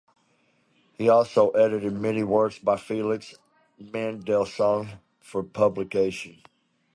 He also edited many works by Felix Mendelssohn for publication.